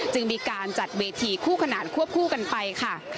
จึงมีการจัดเวทีคู่ขนานควบคู่กันไปค่ะ